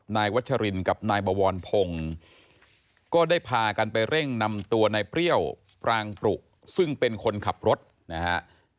นายวัชรินกับนายบวรพงศ์ก็ได้พากันไปเร่งนำตัวนายเปรี้ยวปรางปรุซึ่งเป็นคนขับรถนะฮะ